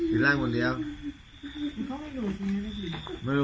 ยาไอ๑๐๐จี